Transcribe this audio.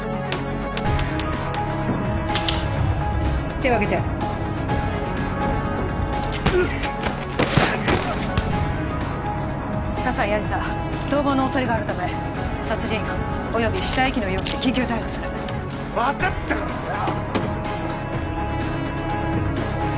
手をあげて葛西亜理紗逃亡の恐れがあるため殺人および死体遺棄の容疑で緊急逮捕する分かったからよ！